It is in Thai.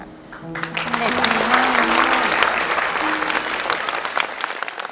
เด็กเยอะมาก